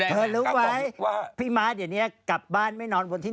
สั่งเอาสีอาตรีใบสะทำไมนะ